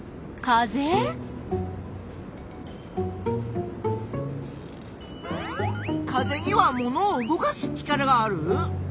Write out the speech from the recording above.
風にはものを動かす力がある？